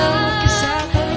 kuyakin kau tahu